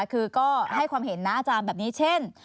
คือก็ให้ความเห็นนะอาจารย์แบบนี้เช่น